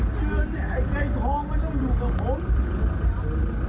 สิบเยือนเนี่ยไอ้ไก่ทองมันต้องอยู่กับผม